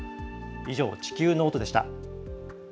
以上、「地球ノート」でした。